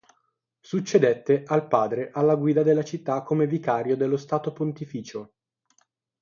Succedette al padre alla guida della città come vicario dello Stato Pontificio.